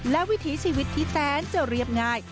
และวิถีชีวิตที่แสนจะเรียบง่าย